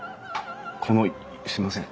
このすいません。